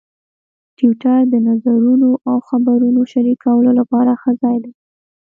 ټویټر د نظرونو او خبرونو شریکولو لپاره ښه ځای دی.